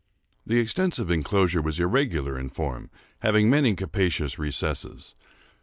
The extensive enclosure was irregular in form, having many capacious recesses.